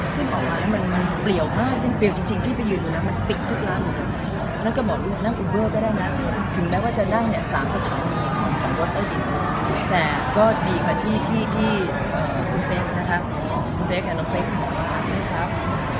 ซึ่งออกมาแล้วมันเปรียวมากจริงที่ไปยืนอยู่นะมันปิดทุกร้านเลยเพราะฉะนั้นก็บอกว่านั่งอุเบอร์ก็ได้นะถึงแม้ว่าจะนั่งเนี่ย๓สถานีของรถได้ดินไปแล้วแต่ก็ดีค่ะที่น้องเพลงนะครับ